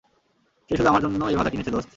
সে শুধু আমার জন্য এই ভাজা কিনেছে, দোস্ত।